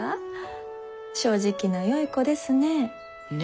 正直なよい子ですね。